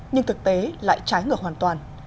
nhưng thực tế lại trái ngược hoàn toàn